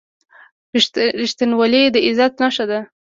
• رښتینولي د عزت نښه ده.